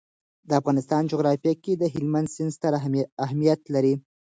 د افغانستان جغرافیه کې هلمند سیند ستر اهمیت لري.